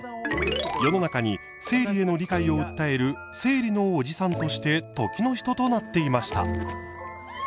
世の中に生理への理解を訴える生理のおじさんとして時の人となっていました。